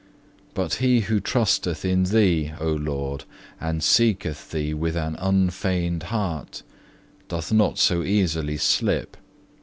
But he who trusteth in Thee, O Lord, and seeketh Thee with an unfeigned heart, doth not so easily slip.